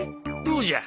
どうじゃ？